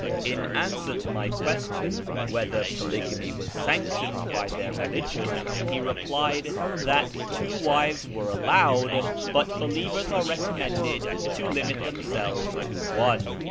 In answer to my question whether polygamy was sanctioned by their religion, he replied that two wives are allowed, but believers are recommended to limit themselves to one.